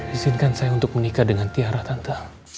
izinkan saya untuk menikah dengan tiara tanta